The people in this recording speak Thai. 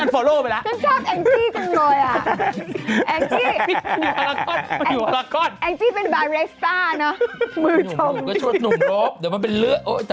ปรากฏ